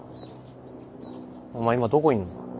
お前今どこいんの？